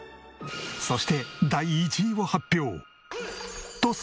そして第１位を発表。